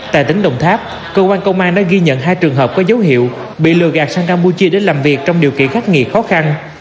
tại tỉnh đồng tháp cơ quan công an đã ghi nhận hai trường hợp có dấu hiệu bị lừa gạt sang campuchia để làm việc trong điều kiện khắc nghiệt khó khăn